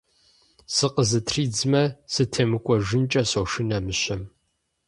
Сыкъызытридзмэ, сытемыкӀуэжынкӀэ сошынэ мыщэм.